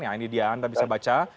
nah ini dia anda bisa baca